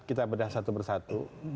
kita berdasar satu satu